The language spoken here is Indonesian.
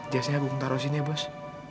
jasanya aku mau taruh sini ya bos